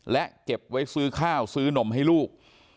และเก็บไว้ซื้อข้าวซื้อนมให้ลูก